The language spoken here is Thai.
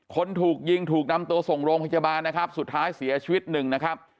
คนถูกยิงถูกนำตัวส่งโรงพยาบาลนะครับสุดท้ายเสียชีวิตหนึ่งนะครับ